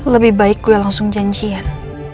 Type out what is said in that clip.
lebih baik gue langsung janjian